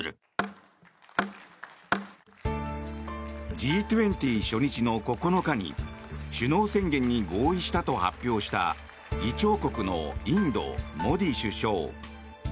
Ｇ２０初日の９日に首脳宣言に合意したと発表した議長国のインド、モディ首相。